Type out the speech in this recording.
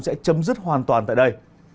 sẽ chấm dứt hoàn toàn tại đây